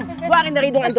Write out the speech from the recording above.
keluarin dari hidung antum